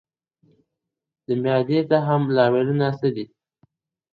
د معدې زخم لاملونه څه دي؟